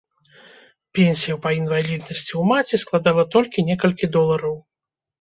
Пенсія па інваліднасці ў маці складала толькі некалькі долараў.